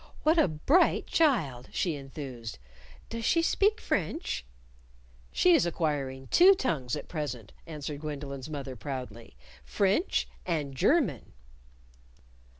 "What a bright child!" she enthused. "Does she speak French?" "She is acquiring two tongues at present," answered Gwendolyn's mother proudly, " French and German."